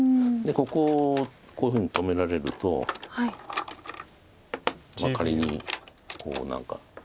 ここをこういうふうに止められると仮にこう何か。